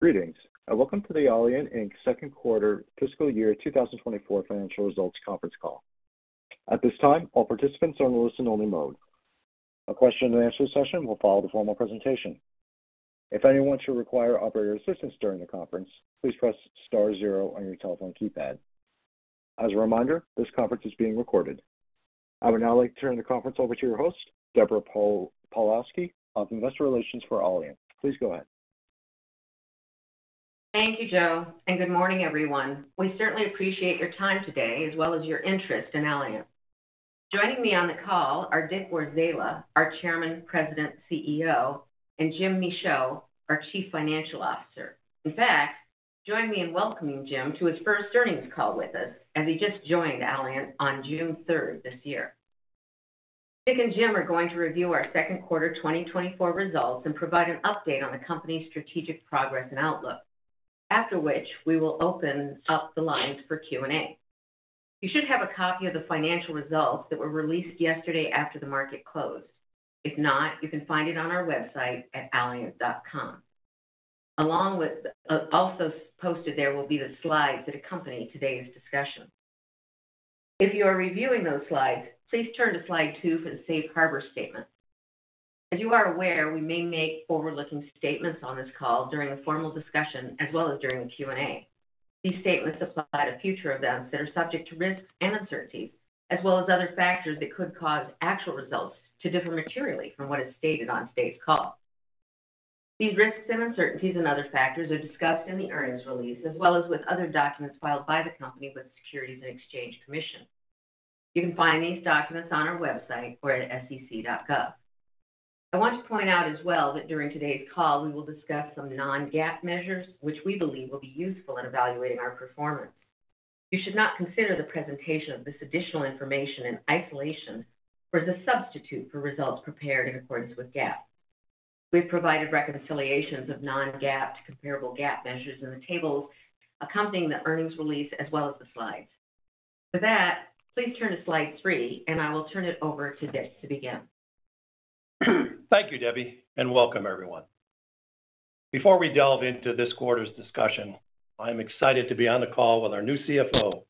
Greetings, and welcome to the Allient Inc. second quarter fiscal year 2024 financial results conference call. At this time, all participants are in listen-only mode. A question-and-answer session will follow the formal presentation. If anyone should require operator assistance during the conference, please press star zero on your telephone keypad. As a reminder, this conference is being recorded. I would now like to turn the conference over to your host, Deborah Pawlowski of Investor Relations for Allient. Please go ahead. Thank you, Joe, and good morning, everyone. We certainly appreciate your time today as well as your interest in Allient. Joining me on the call are Dick Warzala, our Chairman, President, and CEO, and Jim Michaud, our Chief Financial Officer. In fact, join me in welcoming Jim to his first earnings call with us, as he just joined Allient on June 3 this year. Dick and Jim are going to review our second quarter 2024 results and provide an update on the company's strategic progress and outlook. After which, we will open up the lines for Q&A. You should have a copy of the financial results that were released yesterday after the market closed. If not, you can find it on our website at allient.com. Along with, also posted there will be the slides that accompany today's discussion. If you are reviewing those slides, please turn to slide 2 for the safe harbor statement. As you are aware, we may make forward-looking statements on this call during the formal discussion as well as during the Q&A. These statements apply to future events that are subject to risks and uncertainties, as well as other factors that could cause actual results to differ materially from what is stated on today's call. These risks and uncertainties and other factors are discussed in the earnings release, as well as with other documents filed by the company with the Securities and Exchange Commission. You can find these documents on our website or at sec.gov. I want to point out as well that during today's call, we will discuss some non-GAAP measures, which we believe will be useful in evaluating our performance. You should not consider the presentation of this additional information in isolation or as a substitute for results prepared in accordance with GAAP. We've provided reconciliations of Non-GAAP to comparable GAAP measures in the tables accompanying the earnings release as well as the slides. For that, please turn to slide three, and I will turn it over to Dick to begin. Thank you, Debbie, and welcome, everyone. Before we delve into this quarter's discussion, I'm excited to be on the call with our new CFO,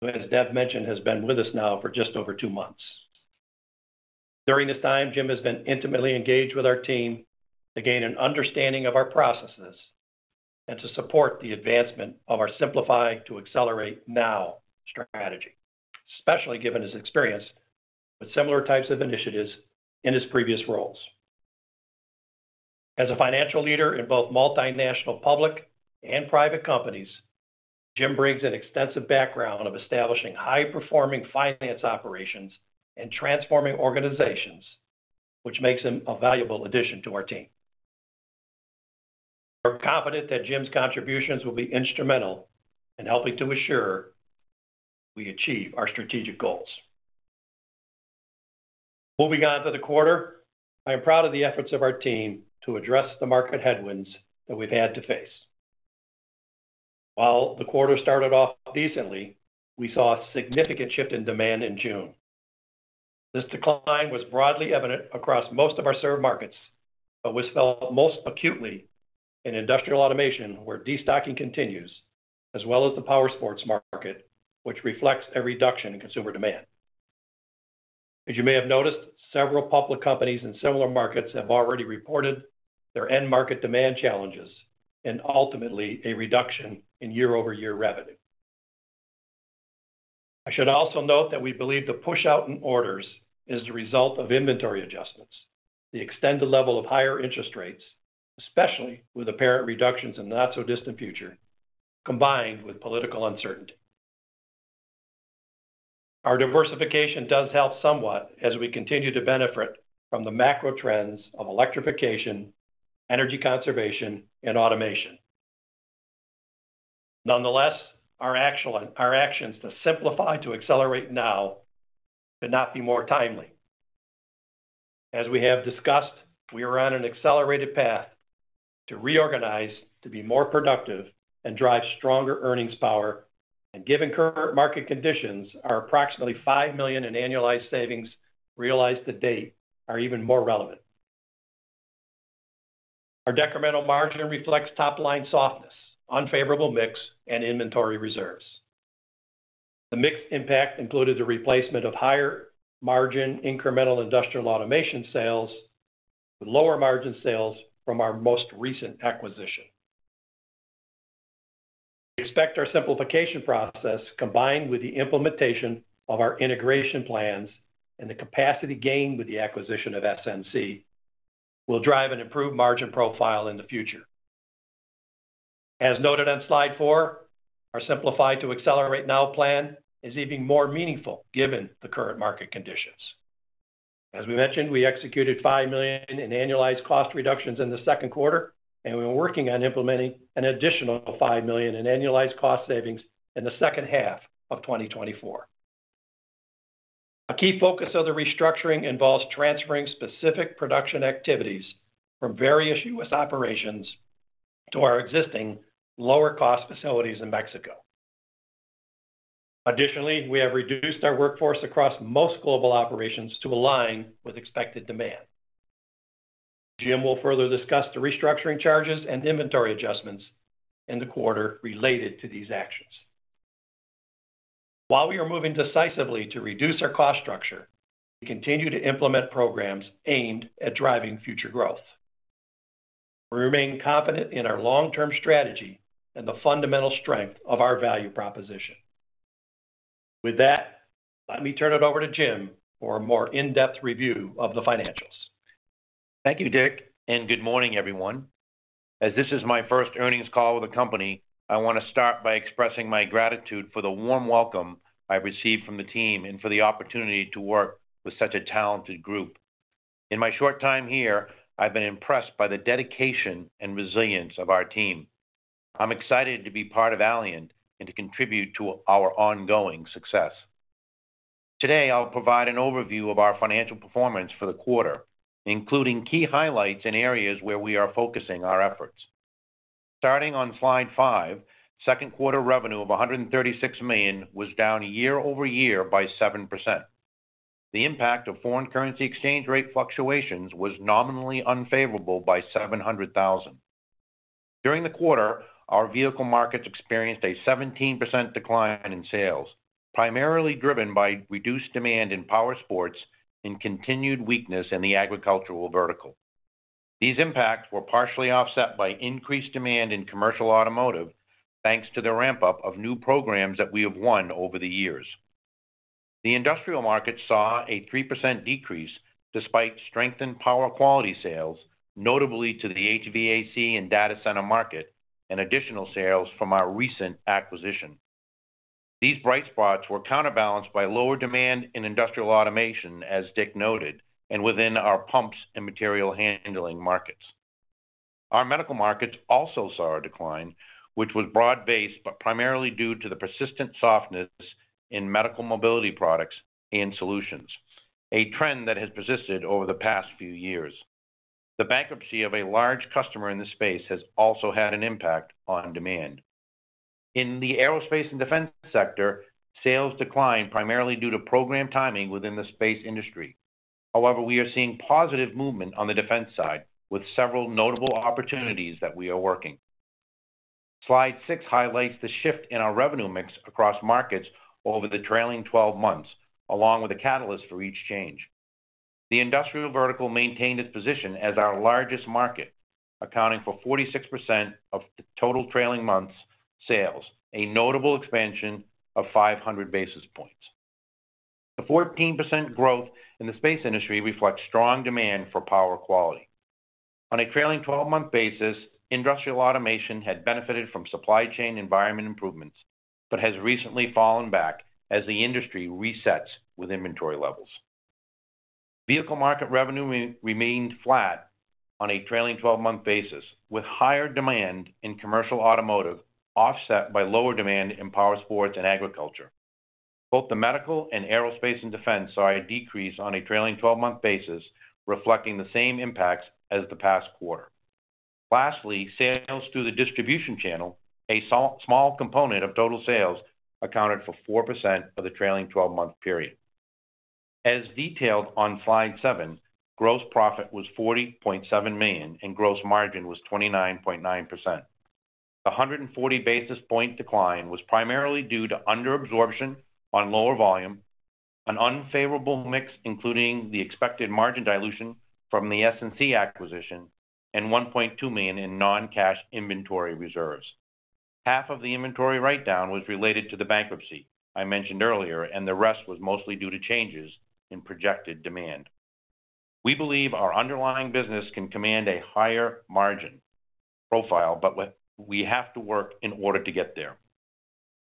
who, as Deb mentioned, has been with us now for just over two months. During this time, Jim has been intimately engaged with our team to gain an understanding of our processes and to support the advancement of our Simplify to Accelerate Now strategy, especially given his experience with similar types of initiatives in his previous roles. As a financial leader in both multinational, public, and private companies, Jim brings an extensive background of establishing high-performing finance operations and transforming organizations, which makes him a valuable addition to our team. We're confident that Jim's contributions will be instrumental in helping to assure we achieve our strategic goals. Moving on to the quarter, I am proud of the efforts of our team to address the market headwinds that we've had to face. While the quarter started off decently, we saw a significant shift in demand in June. This decline was broadly evident across most of our served markets, but was felt most acutely in industrial automation, where destocking continues, as well as the Powersports market, which reflects a reduction in consumer demand. As you may have noticed, several public companies in similar markets have already reported their end market demand challenges and ultimately a reduction in year-over-year revenue. I should also note that we believe the pushout in orders is the result of inventory adjustments, the extended level of higher interest rates, especially with apparent reductions in the not-so-distant future, combined with political uncertainty. Our diversification does help somewhat as we continue to benefit from the macro trends of electrification, energy conservation, and automation. Nonetheless, our actions to Simplify to Accelerate Now could not be more timely. As we have discussed, we are on an accelerated path to reorganize, to be more productive and drive stronger earnings power, and given current market conditions, our approximately $5 million in annualized savings realized to date are even more relevant. Our decremental margin reflects top-line softness, unfavorable mix, and inventory reserves. The mix impact included the replacement of higher-margin, incremental industrial automation sales with lower-margin sales from our most recent acquisition. We expect our simplification process, combined with the implementation of our integration plans and the capacity gained with the acquisition of SNC, will drive an improved margin profile in the future. As noted on slide 4, our Simplify to Accelerate Now plan is even more meaningful given the current market conditions. As we mentioned, we executed $5 million in annualized cost reductions in the second quarter, and we're working on implementing an additional $5 million in annualized cost savings in the second half of 2024. A key focus of the restructuring involves transferring specific production activities from various U.S. operations to our existing lower-cost facilities in Mexico. Additionally, we have reduced our workforce across most global operations to align with expected demand. Jim will further discuss the restructuring charges and inventory adjustments in the quarter related to these actions. While we are moving decisively to reduce our cost structure, we continue to implement programs aimed at driving future growth. We remain confident in our long-term strategy and the fundamental strength of our value proposition. With that, let me turn it over to Jim for a more in-depth review of the financials. Thank you, Dick, and good morning, everyone. As this is my first earnings call with the company, I want to start by expressing my gratitude for the warm welcome I received from the team and for the opportunity to work with such a talented group. In my short time here, I've been impressed by the dedication and resilience of our team. I'm excited to be part of Allient and to contribute to our ongoing success. Today, I'll provide an overview of our financial performance for the quarter, including key highlights in areas where we are focusing our efforts. Starting on slide five, second quarter revenue of $136 million was down year-over-year by 7%. The impact of foreign currency exchange rate fluctuations was nominally unfavorable by $700,000. During the quarter, our vehicle markets experienced a 17% decline in sales, primarily driven by reduced demand in power sports and continued weakness in the agricultural vertical. These impacts were partially offset by increased demand in commercial automotive, thanks to the ramp-up of new programs that we have won over the years. The industrial market saw a 3% decrease despite strengthened power quality sales, notably to the HVAC and data center market, and additional sales from our recent acquisition. These bright spots were counterbalanced by lower demand in industrial automation, as Dick noted, and within our pumps and material handling markets. Our medical markets also saw a decline, which was broad-based, but primarily due to the persistent softness in medical mobility products and solutions, a trend that has persisted over the past few years. The bankruptcy of a large customer in this space has also had an impact on demand. In the aerospace and defense sector, sales declined primarily due to program timing within the space industry. However, we are seeing positive movement on the defense side, with several notable opportunities that we are working. Slide 6 highlights the shift in our revenue mix across markets over the trailing 12 months, along with the catalyst for each change. The industrial vertical maintained its position as our largest market, accounting for 46% of the total trailing 12 months sales, a notable expansion of 500 basis points. The 14% growth in the space industry reflects strong demand for power quality. On a trailing 12-month basis, industrial automation had benefited from supply chain environment improvements, but has recently fallen back as the industry resets with inventory levels. Vehicle market revenue remained flat on a trailing twelve-month basis, with higher demand in commercial automotive offset by lower demand in power sports and agriculture. Both the medical and aerospace and defense saw a decrease on a trailing twelve-month basis, reflecting the same impacts as the past quarter. Lastly, sales through the distribution channel, a small component of total sales, accounted for 4% of the trailing twelve-month period. As detailed on slide 7, gross profit was $40.7 million, and gross margin was 29.9%. The 140 basis point decline was primarily due to under absorption on lower volume, an unfavorable mix, including the expected margin dilution from the SNC acquisition, and $1.2 million in non-cash inventory reserves. Half of the inventory write-down was related to the bankruptcy I mentioned earlier, and the rest was mostly due to changes in projected demand. We believe our underlying business can command a higher margin profile, but we have to work in order to get there.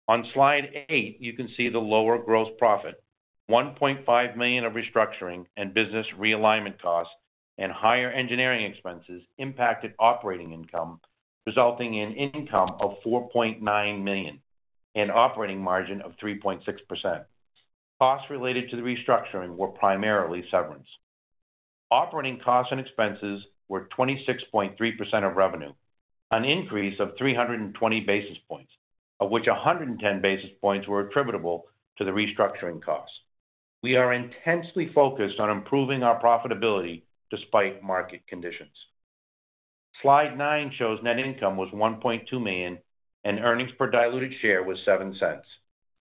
On slide eight, you can see the lower gross profit. $1.5 million of restructuring and business realignment costs and higher engineering expenses impacted operating income, resulting in income of $4.9 million and operating margin of 3.6%. Costs related to the restructuring were primarily severance. Operating costs and expenses were 26.3% of revenue, an increase of 320 basis points, of which 110 basis points were attributable to the restructuring costs. We are intensely focused on improving our profitability despite market conditions. Slide nine shows net income was $1.2 million, and earnings per diluted share was $0.07.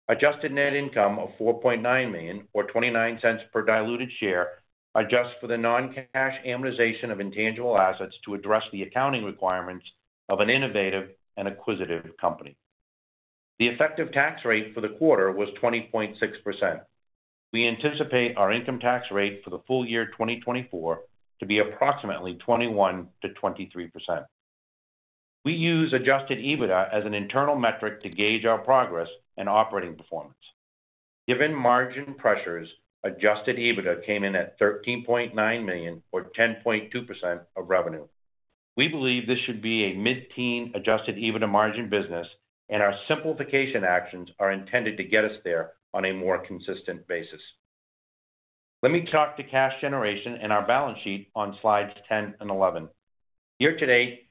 Adjusted Net Income of $4.9 million or $0.29 per diluted share, adjusts for the non-cash amortization of intangible assets to address the accounting requirements of an innovative and acquisitive company. The effective tax rate for the quarter was 20.6%. We anticipate our income tax rate for the full year 2024 to be approximately 21%-23%. We use Adjusted EBITDA as an internal metric to gauge our progress and operating performance. Given margin pressures, Adjusted EBITDA came in at $13.9 million or 10.2% of revenue. We believe this should be a mid-teen adjusted EBITDA margin business, and our simplification actions are intended to get us there on a more consistent basis. Let me talk to cash generation and our balance sheet on Slides 10 and 11. Year-to-date,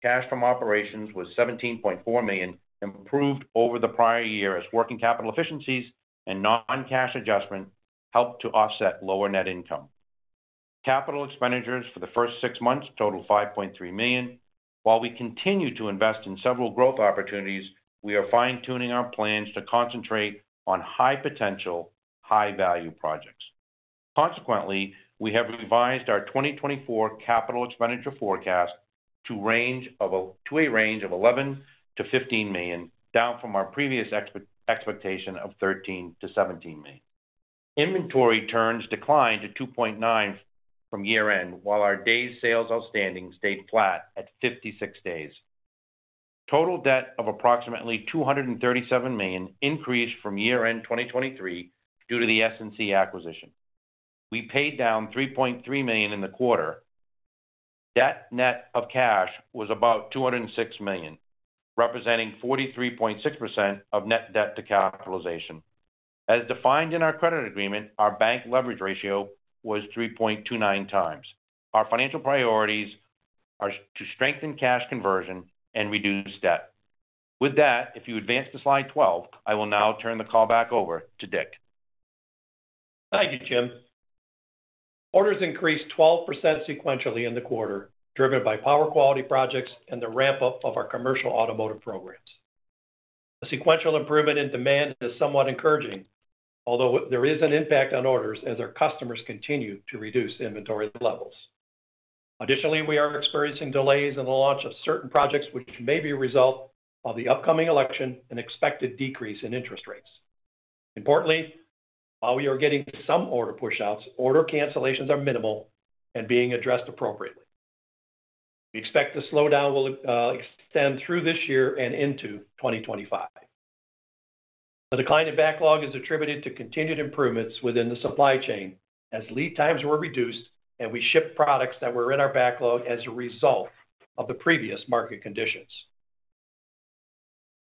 cash from operations was $17.4 million, improved over the prior year as working capital efficiencies and non-cash adjustment helped to offset lower net income. Capital expenditures for the first six months totaled $5.3 million. While we continue to invest in several growth opportunities, we are fine-tuning our plans to concentrate on high potential, high-value projects. Consequently, we have revised our 2024 capital expenditure forecast to a range of $11 million-$15 million, down from our previous expectation of $13 million-$17 million. Inventory turns declined to 2.9 from year-end, while our days sales outstanding stayed flat at 56 days. Total debt of approximately $237 million increased from year-end 2023 due to the SNC acquisition. We paid down $3.3 million in the quarter. Debt net of cash was about $206 million, representing 43.6% of net debt to capitalization. As defined in our credit agreement, our bank leverage ratio was 3.29 times. Our financial priorities are to strengthen cash conversion and reduce debt. With that, if you advance to Slide 12, I will now turn the call back over to Dick. Thank you, Jim. Orders increased 12% sequentially in the quarter, driven by power quality projects and the ramp-up of our commercial automotive programs. The sequential improvement in demand is somewhat encouraging, although there is an impact on orders as our customers continue to reduce inventory levels. Additionally, we are experiencing delays in the launch of certain projects, which may be a result of the upcoming election and expected decrease in interest rates. Importantly, while we are getting some order pushouts, order cancellations are minimal and being addressed appropriately. We expect the slowdown will extend through this year and into 2025. The decline in backlog is attributed to continued improvements within the supply chain, as lead times were reduced, and we shipped products that were in our backlog as a result of the previous market conditions.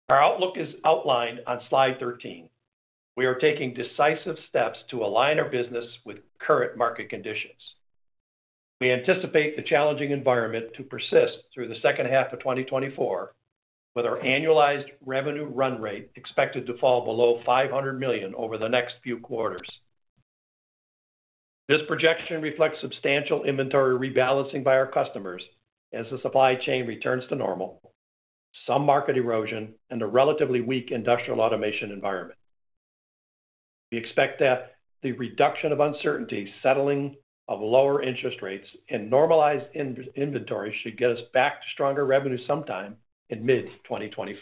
Our outlook is outlined on Slide 13. We are taking decisive steps to align our business with current market conditions. We anticipate the challenging environment to persist through the second half of 2024, with our annualized revenue run rate expected to fall below $500 million over the next few quarters. This projection reflects substantial inventory rebalancing by our customers as the supply chain returns to normal, some market erosion and a relatively weak industrial automation environment. We expect that the reduction of uncertainty, settling of lower interest rates, and normalized in-inventory should get us back to stronger revenue sometime in mid-2025.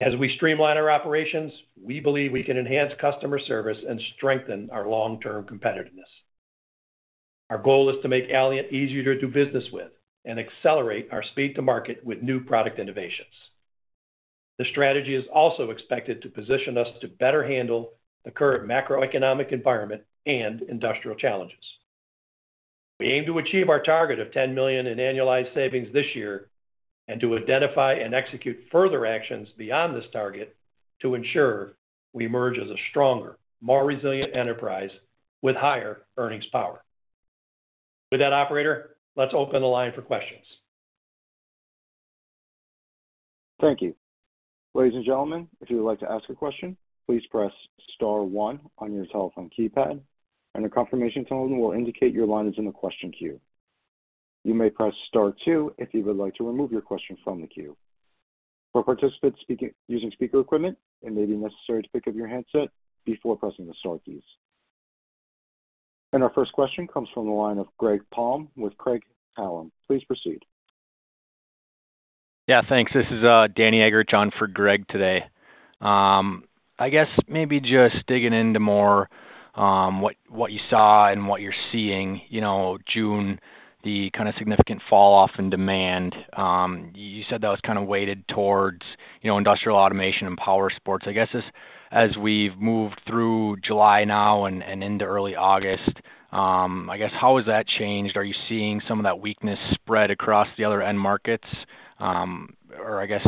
As we streamline our operations, we believe we can enhance customer service and strengthen our long-term competitiveness. Our goal is to make Allient easier to do business with and accelerate our speed to market with new product innovations. The strategy is also expected to position us to better handle the current macroeconomic environment and industrial challenges. We aim to achieve our target of $10 million in annualized savings this year, and to identify and execute further actions beyond this target to ensure we emerge as a stronger, more resilient enterprise with higher earnings power. With that, operator, let's open the line for questions. Thank you. Ladies and gentlemen, if you would like to ask a question, please press star one on your telephone keypad, and a confirmation tone will indicate your line is in the question queue. You may press star two if you would like to remove your question from the queue. For participants speaking using speaker equipment, it may be necessary to pick up your handset before pressing the star keys. Our first question comes from the line of Greg Palm with Craig-Hallum. Please proceed. Yeah, thanks. This is Danny Eggert, on for Greg today. I guess maybe just digging into more, what you saw and what you're seeing, you know, June, the kind of significant falloff in demand. You said that was kind of weighted towards, you know, industrial automation and power sports. I guess as we've moved through July now and into early August, I guess, how has that changed? Are you seeing some of that weakness spread across the other end markets? Or I guess,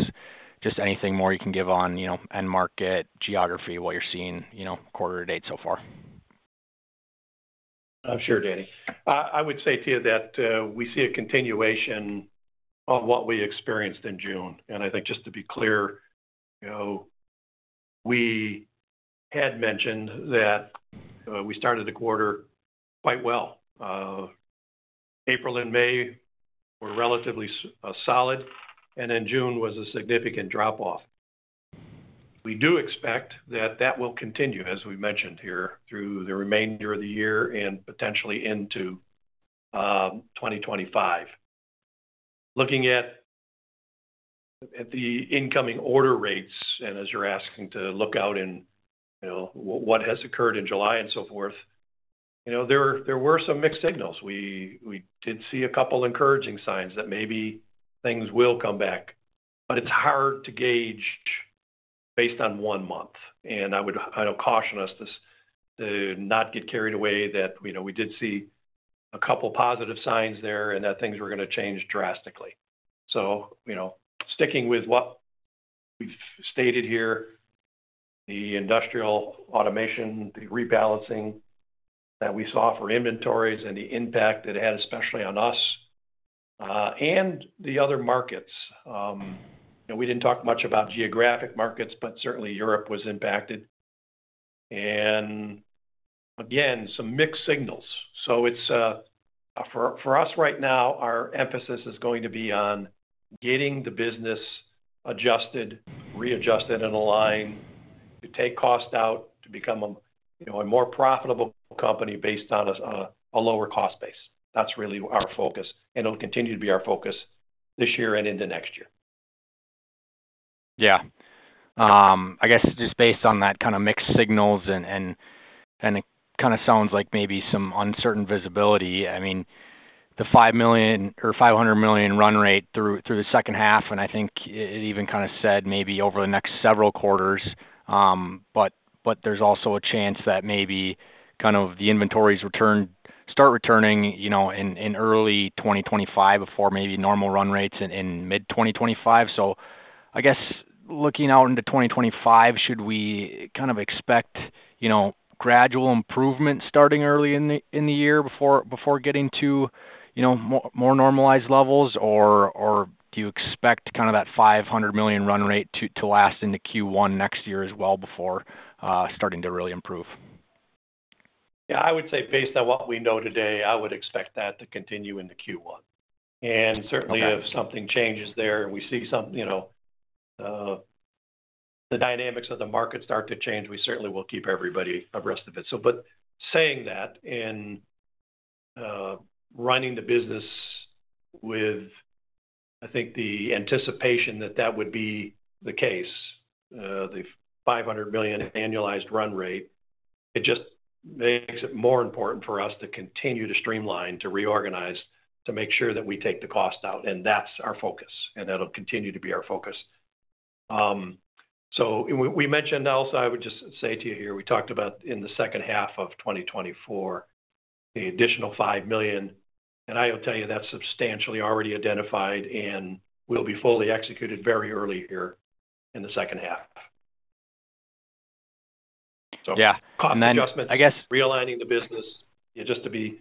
just anything more you can give on, you know, end market, geography, what you're seeing, you know, quarter to date so far. Sure, Danny. I would say to you that we see a continuation of what we experienced in June. And I think just to be clear, you know, we had mentioned that we started the quarter quite well. April and May were relatively solid, and then June was a significant drop-off. We do expect that that will continue, as we mentioned here, through the remainder of the year and potentially into 2025. Looking at the incoming order rates, and as you're asking to look out in, you know, what has occurred in July and so forth, you know, there were some mixed signals. We did see a couple encouraging signs that maybe things will come back, but it's hard to gauge based on one month. I would, I know, caution us to not get carried away, that, you know, we did see a couple positive signs there and that things were going to change drastically. So, you know, sticking with what we've stated here, the industrial automation, the rebalancing that we saw for inventories and the impact it had, especially on us, and the other markets. We didn't talk much about geographic markets, but certainly Europe was impacted. Again, some mixed signals. So it's, for us right now, our emphasis is going to be on getting the business adjusted, readjusted, and aligned, to take cost out, to become a, you know, a more profitable company based on a, on a lower cost base. That's really our focus, and it'll continue to be our focus this year and into next year. Yeah. I guess just based on that kind of mixed signals and it kind of sounds like maybe some uncertain visibility. I mean, the $5 million or $500 million run rate through the second half, and I think it even kind of said maybe over the next several quarters. But there's also a chance that maybe kind of the inventories start returning, you know, in early 2025 before maybe normal run rates in mid-2025. So I guess looking out into 2025, should we kind of expect, you know, gradual improvement starting early in the year before getting to, you know, more normalized levels? Or do you expect kind of that $500 million run rate to last into Q1 next year as well before starting to really improve? Yeah, I would say based on what we know today, I would expect that to continue into Q1. Okay. And certainly, if something changes there and we see some, you know, the dynamics of the market start to change, we certainly will keep everybody abreast of it. So but saying that and, running the business with, I think, the anticipation that that would be the case, the $500 million annualized run rate, it just makes it more important for us to continue to streamline, to reorganize, to make sure that we take the cost out, and that's our focus, and that'll continue to be our focus. So we, we mentioned also, I would just say to you here, we talked about in the second half of 2024, the additional $5 million, and I will tell you that's substantially already identified and will be fully executed very early here in the second half. Yeah, and then I guess- Cost adjustment, realigning the business just to be,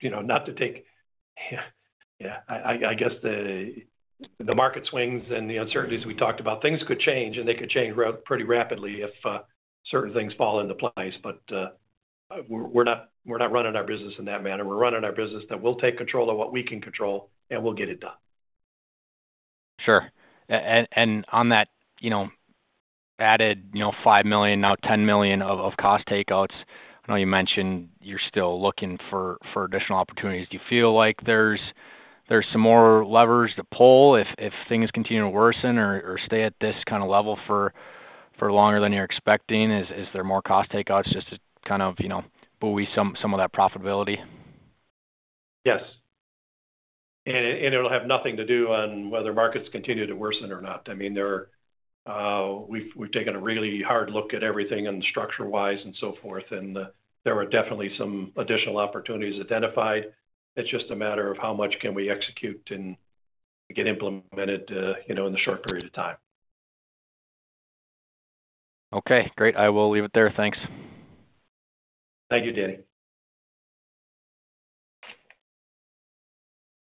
you know, not to take... Yeah, I guess, the market swings and the uncertainties we talked about, things could change, and they could change pretty rapidly if certain things fall into place. But, we're not running our business in that manner. We're running our business that we'll take control of what we can control, and we'll get it done. Sure. And on that, you know, added, you know, $5 million, now $10 million of cost takeouts, I know you mentioned you're still looking for additional opportunities. Do you feel like there's some more levers to pull if things continue to worsen or stay at this kind of level for longer than you're expecting? Is there more cost takeouts just to kind of, you know, buoy some of that profitability? Yes. And it'll have nothing to do on whether markets continue to worsen or not. I mean, there are, we've taken a really hard look at everything and structure-wise and so forth, and there are definitely some additional opportunities identified. It's just a matter of how much can we execute and get implemented, you know, in the short period of time. Okay, great. I will leave it there. Thanks. Thank you, Danny.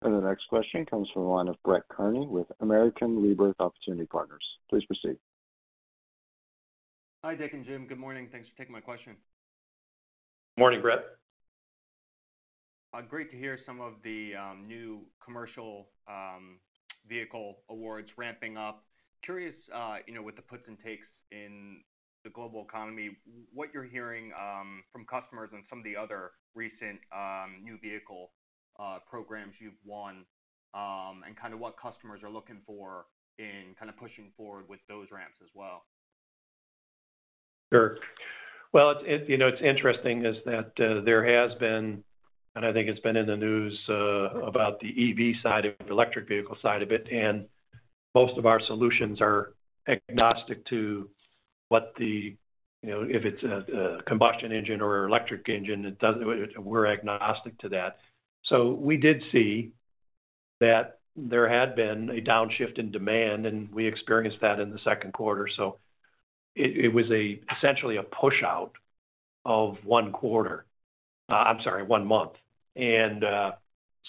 The next question comes from the line of Brett Kearney with Gabelli Funds. Please proceed. Hi, Dick and Jim. Good morning. Thanks for taking my question. Morning, Brett. Great to hear some of the new commercial vehicle awards ramping up. Curious, you know, with the puts and takes in the global economy, what you're hearing from customers and some of the other recent new vehicle programs you've won, and kind of what customers are looking for in kind of pushing forward with those ramps as well. Sure. Well, you know, it's interesting is that there has been, and I think it's been in the news, about the EV side of the electric vehicle side of it, and most of our solutions are agnostic to what the, you know, if it's a combustion engine or electric engine, we're agnostic to that. So we did see that there had been a downshift in demand, and we experienced that in the second quarter. So it was essentially a pushout of one quarter. I'm sorry, one month. And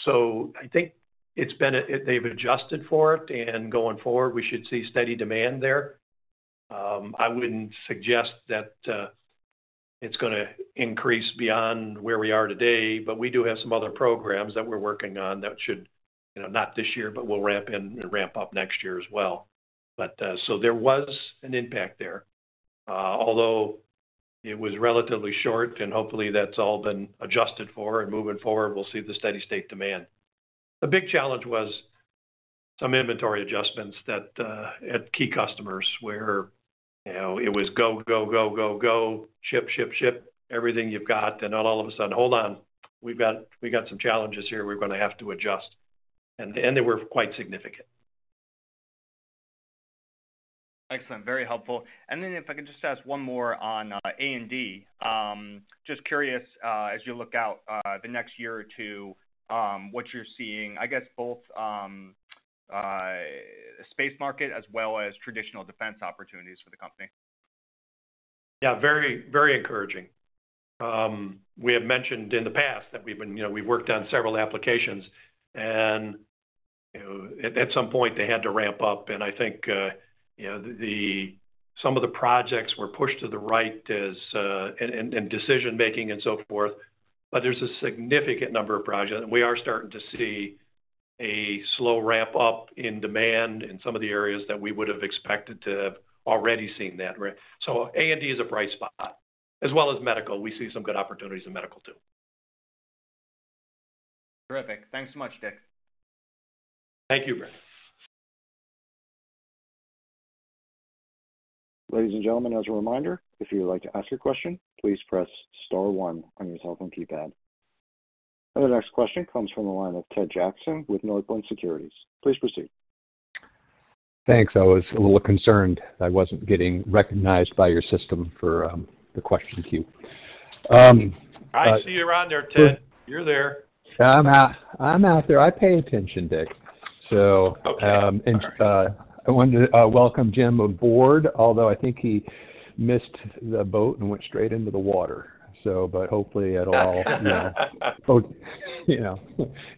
so I think they've adjusted for it, and going forward, we should see steady demand there. I wouldn't suggest that it's gonna increase beyond where we are today, but we do have some other programs that we're working on that should, you know, not this year, but will ramp in and ramp up next year as well. But so there was an impact there, although it was relatively short and hopefully that's all been adjusted for and moving forward, we'll see the steady state demand. The big challenge was some inventory adjustments that at key customers where, you know, it was go, go, go, go, go, ship, ship, ship, everything you've got, and then all of a sudden, "Hold on, we've got-- we've got some challenges here. We're gonna have to adjust." And they were quite significant. Excellent. Very helpful. And then if I could just ask one more on A&D. Just curious, as you look out the next year or two, what you're seeing, I guess, both space market as well as traditional defense opportunities for the company?... Yeah, very, very encouraging. We have mentioned in the past that we've been, you know, we've worked on several applications, and, you know, at some point they had to ramp up, and I think, you know, some of the projects were pushed to the right as decision making and so forth. But there's a significant number of projects, and we are starting to see a slow ramp up in demand in some of the areas that we would have expected to have already seen that. So A&D is a bright spot, as well as medical. We see some good opportunities in medical, too. Terrific. Thanks so much, Dick. Thank you, Brett. Ladies and gentlemen, as a reminder, if you would like to ask a question, please press star one on your telephone keypad. The next question comes from the line of Ted Jackson with Northland Securities. Please proceed. Thanks. I was a little concerned I wasn't getting recognized by your system for, the question queue. But- I see you're on there, Ted. You're there. I'm out, I'm out there. I pay attention, Dick. So- Okay. I wanted to welcome Jim aboard, although I think he missed the boat and went straight into the water. But hopefully it'll all turn around. You know,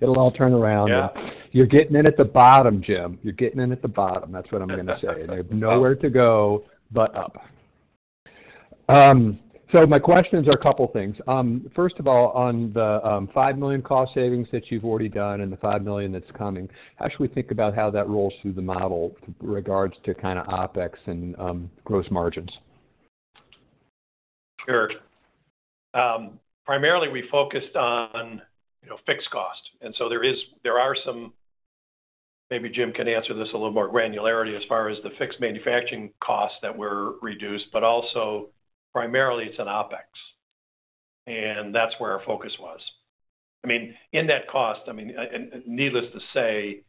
it'll all turn around. Yeah. You're getting in at the bottom, Jim. You're getting in at the bottom. That's what I'm gonna say. You have nowhere to go but up. So my questions are a couple things. First of all, on the $5 million cost savings that you've already done and the $5 million that's coming, how should we think about how that rolls through the model with regards to kind of OpEx and gross margins? Sure. Primarily, we focused on, you know, fixed cost, and so there are some... Maybe Jim can answer this a little more granularity as far as the fixed manufacturing costs that were reduced, but also primarily it's an OpEx, and that's where our focus was. I mean, in that cost, I mean, and needless to say,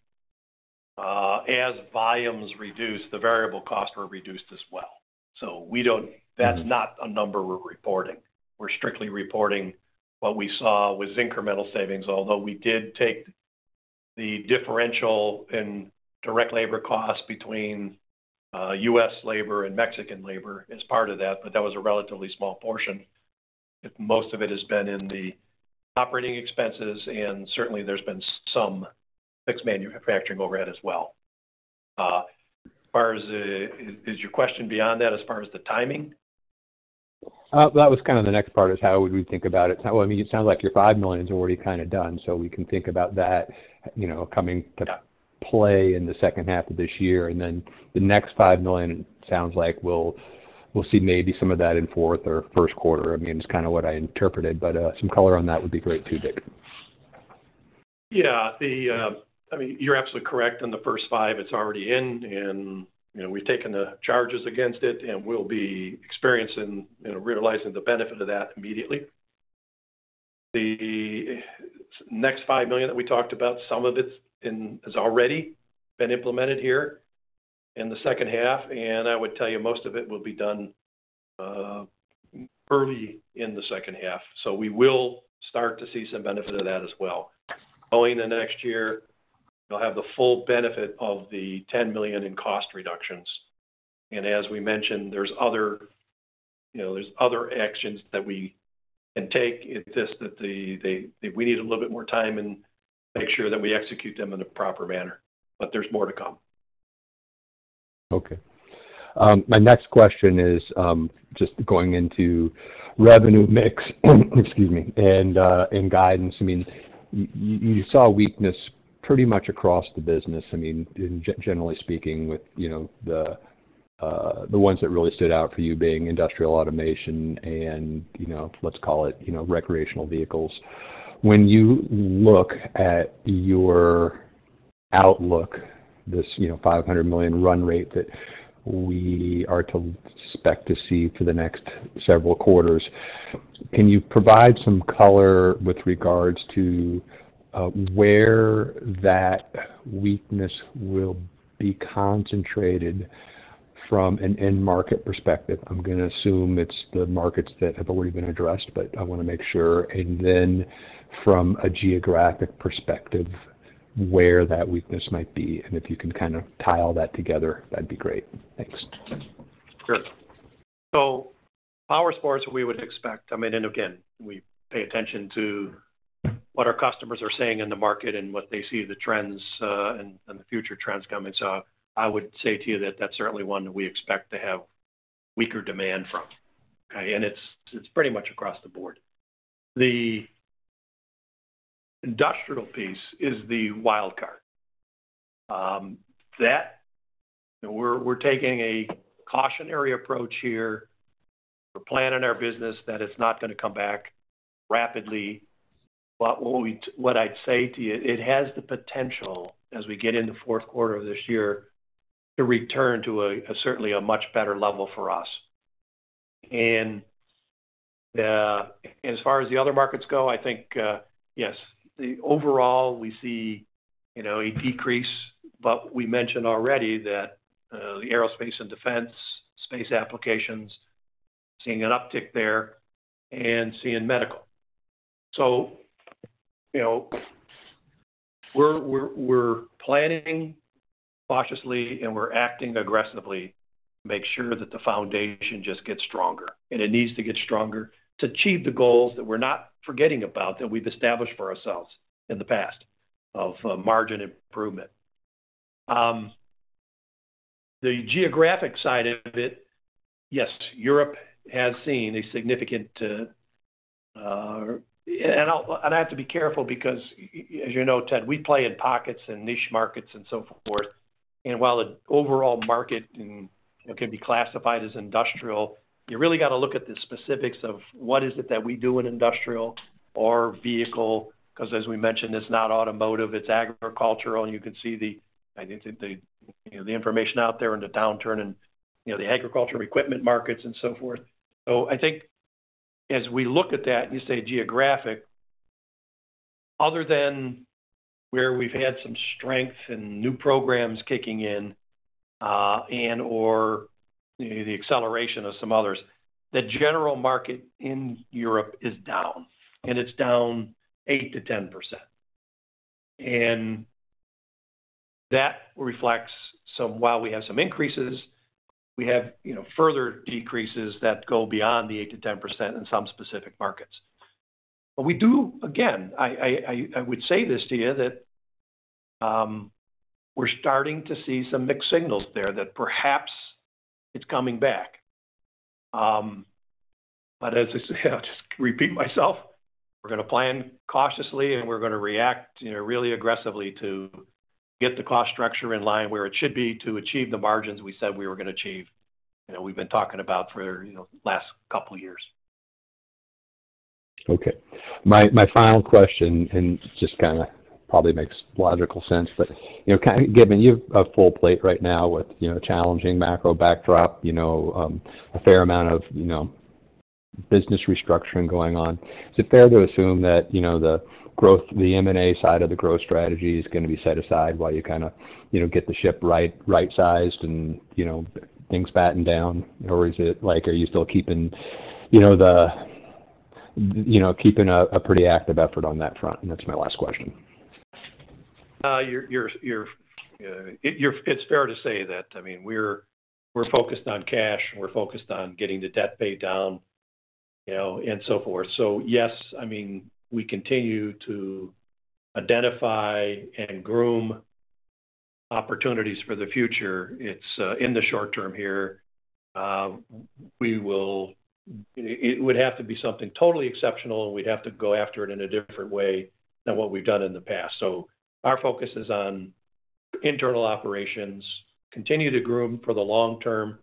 as volumes reduced, the variable costs were reduced as well. So we don't- Mm-hmm. That's not a number we're reporting. We're strictly reporting what we saw was incremental savings, although we did take the differential in direct labor costs between U.S. labor and Mexican labor as part of that, but that was a relatively small portion. Most of it has been in the operating expenses, and certainly there's been some fixed manufacturing overhead as well. As far as the, is your question beyond that, as far as the timing? That was kind of the next part, is how would we think about it? Well, I mean, it sounds like your $5 million is already kind of done, so we can think about that, you know, coming to play in the second half of this year. And then the next $5 million sounds like we'll see maybe some of that in fourth or first quarter. I mean, it's kind of what I interpreted, but some color on that would be great, too, Dick. Yeah, I mean, you're absolutely correct. On the first $5 million, it's already in, and, you know, we've taken the charges against it, and we'll be experiencing and realizing the benefit of that immediately. The next $5 million that we talked about, some of it's in, has already been implemented here in the second half, and I would tell you, most of it will be done early in the second half. So we will start to see some benefit of that as well. Going into next year, we'll have the full benefit of the $10 million in cost reductions. And as we mentioned, there's other, you know, there's other actions that we can take. It's just that the we need a little bit more time and make sure that we execute them in a proper manner, but there's more to come. Okay. My next question is, just going into revenue mix, excuse me, and, and guidance. I mean, you, you saw weakness pretty much across the business. I mean, generally speaking, with, you know, the, the ones that really stood out for you being industrial automation and, you know, let's call it, you know, recreational vehicles. When you look at your outlook, this, you know, $500 million run rate that we are to expect to see for the next several quarters, can you provide some color with regards to, where that weakness will be concentrated from an end market perspective? I'm gonna assume it's the markets that have already been addressed, but I want to make sure. And then from a geographic perspective, where that weakness might be, and if you can kind of tie all that together, that'd be great. Thanks. Sure. So powersports, we would expect—I mean, and again, we pay attention to what our customers are saying in the market and what they see the trends, and, and the future trends coming. So I would say to you that that's certainly one that we expect to have weaker demand from. Okay, and it's pretty much across the board. The industrial piece is the wild card. We're taking a cautionary approach here. We're planning our business that it's not gonna come back rapidly. But what we—what I'd say to you, it has the potential, as we get into the fourth quarter of this year, to return to a certainly a much better level for us. As far as the other markets go, I think, yes, the overall, we see, you know, a decrease, but we mentioned already that, the aerospace and defense, space applications, seeing an uptick there and seeing medical. So, you know... We're planning cautiously, and we're acting aggressively to make sure that the foundation just gets stronger. And it needs to get stronger to achieve the goals that we're not forgetting about, that we've established for ourselves in the past of, margin improvement. The geographic side of it, yes, Europe has seen a significant—and I have to be careful because as you know, Ted, we play in pockets and niche markets and so forth. And while the overall market can be classified as industrial, you really got to look at the specifics of what is it that we do in industrial or vehicle. Because as we mentioned, it's not automotive, it's agricultural. And you can see, I think, you know, the information out there and the downturn in, you know, the agricultural equipment markets and so forth. So I think as we look at that, and you say geographic, other than where we've had some strength and new programs kicking in, and/or, you know, the acceleration of some others, the general market in Europe is down, and it's down 8%-10%. And that reflects some... While we have some increases, we have, you know, further decreases that go beyond the 8%-10% in some specific markets. But we do, again, I would say this to you, that we're starting to see some mixed signals there that perhaps it's coming back. But as I say, I'll just repeat myself. We're going to plan cautiously, and we're going to react, you know, really aggressively to get the cost structure in line where it should be to achieve the margins we said we were going to achieve, you know, we've been talking about for, you know, last couple of years. Okay. My final question, and just kind of probably makes logical sense, but, you know, kind of given you a full plate right now with, you know, challenging macro backdrop, you know, a fair amount of, you know, business restructuring going on, is it fair to assume that, you know, the growth, the M&A side of the growth strategy is going to be set aside while you kind of, you know, get the ship right, right-sized and, you know, things battened down? Or is it like, are you still keeping, you know, the, you know, keeping a pretty active effort on that front? And that's my last question. It's fair to say that. I mean, we're focused on cash, and we're focused on getting the debt paid down, you know, and so forth. So, yes, I mean, we continue to identify and groom opportunities for the future. It's in the short term here, we will-- it would have to be something totally exceptional, and we'd have to go after it in a different way than what we've done in the past. So our focus is on internal operations, continue to groom for the long term,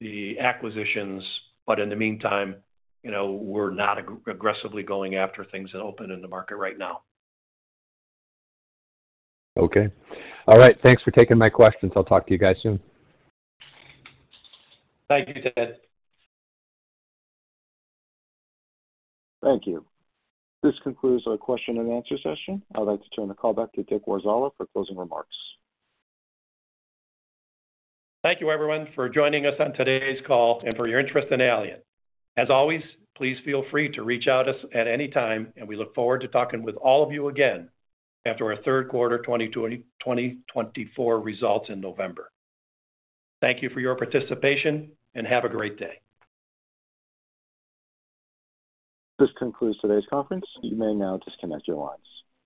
the acquisitions, but in the meantime, you know, we're not aggressively going after things that open in the market right now. Okay. All right. Thanks for taking my questions. I'll talk to you guys soon. Thank you, Ted. Thank you. This concludes our question and answer session. I'd like to turn the call back to Dick Warzala for closing remarks. Thank you, everyone, for joining us on today's call and for your interest in Allient. As always, please feel free to reach out to us at any time, and we look forward to talking with all of you again after our third quarter 2024 results in November. Thank you for your participation, and have a great day. This concludes today's conference. You may now disconnect your lines.